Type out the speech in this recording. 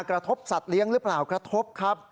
กระทบสัตว์เลี้ยงหรือเปล่ากระทบครับ